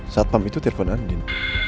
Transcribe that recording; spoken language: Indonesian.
saat pam itu telfon andin